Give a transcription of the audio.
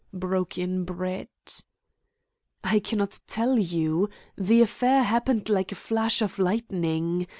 broke in Brett. "I cannot tell you. The affair happened like a flash of lightning.